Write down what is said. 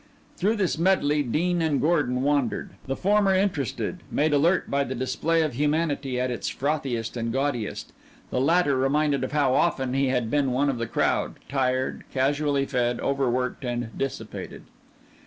Through this medley Dean and Gordon wandered; the former interested, made alert by the display of humanity at its frothiest and gaudiest; the latter reminded of how often he had been one of the crowd, tired, casually fed, overworked, and dissipated.